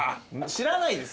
知らないです。